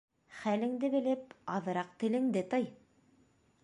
Хәлеңде белеп, аҙыраҡ телеңде тый!